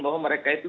bahwa mereka itu